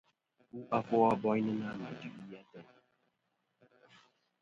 Fu afo a boynɨnɨ-a ma duʼi ateyn.